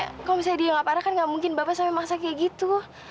kalau misalnya dia nggak parah kan nggak mungkin bapak sampe maksa kayak gitu